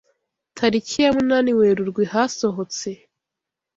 Tariki ya munani Werurwe: Hasohotse